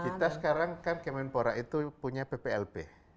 kita sekarang kan kemenpora itu punya pplb